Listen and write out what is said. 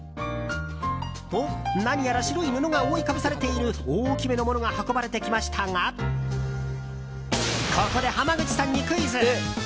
と、何やら白い布が覆いかぶされている大きめのものが運ばれてきましたがここで濱口さんにクイズ！